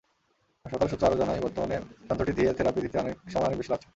হাসপাতাল সূত্র আরও জানায়, বর্তমানে যন্ত্রটি দিয়ে থেরাপি দিতে সময় অনেক বেশি লাগছে।